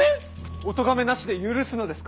お咎めなしで許すのですか？